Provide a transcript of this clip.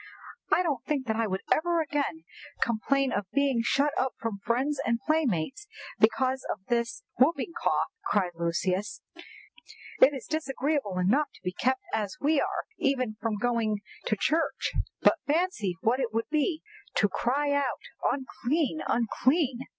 '" "I don't think that I will ever again complain of being shut up from friends and playmates because of this whooping cough," cried Lucius. "It is disagreeable enough to be kept as we are even from going to church, but fancy what it would be to have to cry out 'Unclean! unclean!